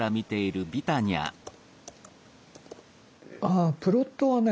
あプロットはね